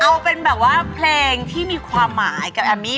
เอาเป็นแบบว่าเพลงที่มีความหมายกับแอมมี่